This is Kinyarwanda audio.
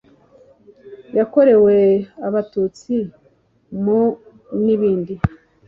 yakorewe abatutsi mu n ibindi